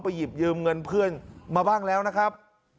หยิบยืมเงินเพื่อนมาบ้างแล้วนะครับ